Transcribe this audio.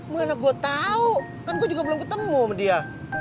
mana gue tahu kan gue juga belum ketemu sama dia